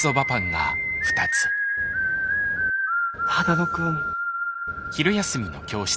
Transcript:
只野くん。